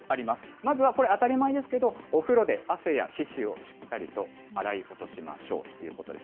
まずはこれ、当たり前ですけど、お風呂で汗や皮脂をしっかりと洗い落としましょうということです。